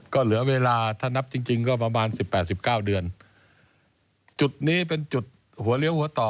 ก็เหลือเวลาถ้านับจริงจริงก็ประมาณสิบแปดสิบเก้าเดือนจุดนี้เป็นจุดหัวเลี้ยวหัวต่อ